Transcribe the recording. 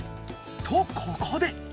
とここで。